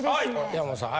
山本さん。